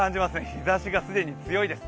日ざしが既に強いです